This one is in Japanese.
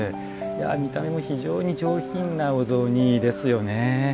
見た目も非常に上品なお雑煮ですよね。